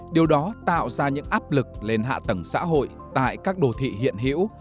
điều đó tạo ra những áp lực lên hạ tầng xã hội tại các đô thị hiện hữu